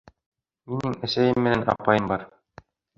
— Минең әсәйем менән апайым бар.